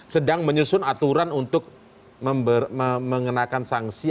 sedang menyusun aturan untuk mengenakan sanksi